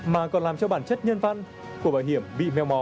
mà còn làm cho bản chất nhân văn của bảo hiểm bị meo mó